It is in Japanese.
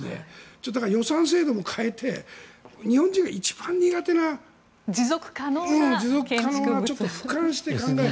予算制度を変えて日本人が一番苦手な持続可能なふかんして考える。